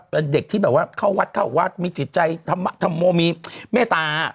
เป็นเด็กที่เข้าวัดมีจิตใจมีเมตตา